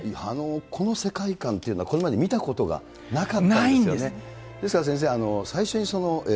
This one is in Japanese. この世界観というのは、これまで見たことがなかったんですよね。